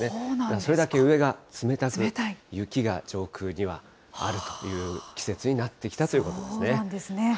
それだけ、上が冷たく、雪が上空にはあるという季節になってきたということですね。